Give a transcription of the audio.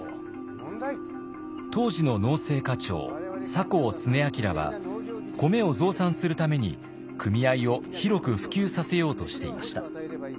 当時の農政課長酒匂常明は米を増産するために組合を広く普及させようとしていました。